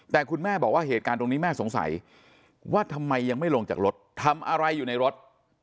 แต่คุณแม่บอกว่าเหตุการณ์ตรงนี้แม่สงสัยว่าทำไมยังไม่ลงจากรถทำอะไรอยู่ในรถ